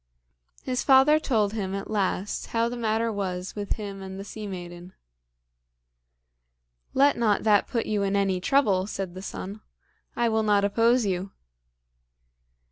His father told him at last how the matter was with him and the sea maiden. "Let not that put you in any trouble," said the son; "I will not oppose you."